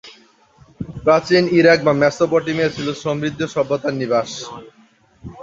প্রাচীন ইরাক বা মেসোপটেমিয়া ছিলো সমৃদ্ধ সভ্যতার নিবাস।